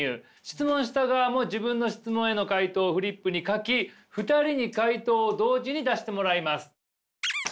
質問した側も自分の質問への回答をフリップに書き２人に回答を同時に出してもらいます。